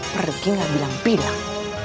pergi gak bilang dilang